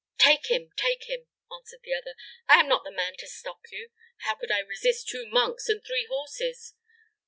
"Take him, take him," answered the other. "I am not the man to stop you. How could I resist two monks and three horses.